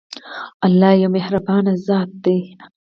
الله يو مهربان ذات دی.